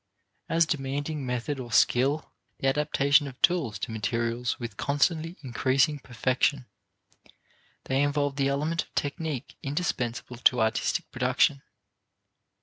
As demanding method or skill, the adaptation of tools to materials with constantly increasing perfection, they involve the element of technique indispensable to artistic production.